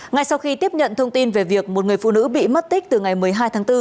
ngay sau khi tiếp nhận thông tin về việc một người phụ nữ bị mất tích từ ngày một mươi hai tháng bốn